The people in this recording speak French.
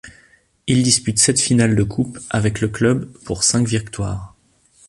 Il dispute sept finales de coupe avec le club pour cinq victoires.